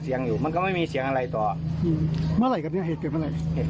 เมื่อไหร่กันเนี่ยเหตุเกิดเมื่อไหร่